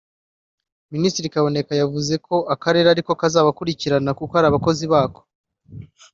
Minisitiri Kaboneka yavuze ko Akarere ariko kazabakurikirana kuko ari abakozi bako